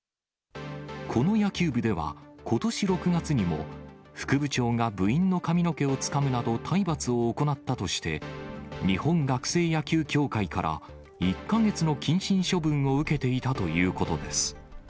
この野球部では、ことし６月にも、副部長が部員の髪の毛をつかむなど体罰を行ったとして、日本学生野球協会から１か月の謹慎処分を受けていたということです。